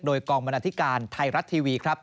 โดยกองบรรณาธิกาลไทยรัตรีวี